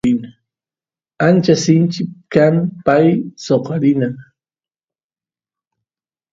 ancha sinchi kan pay kan soqarina